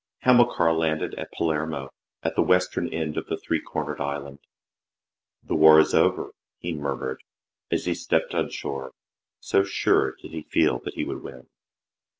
Hamilcar landed at Palermo, at the western end of the three cornered island. " The war is over," he murmured as he stepped on shore, so sure did he feel that he would win.